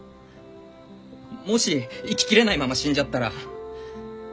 もし生き切れないまま死んじゃったら。